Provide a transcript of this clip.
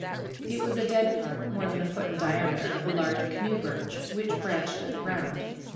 It was a dead part, more than a foot in diameter, of a large canoe birch, which branched at the ground.